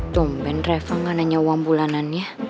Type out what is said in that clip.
dumbin reva gak nanya uang bulanannya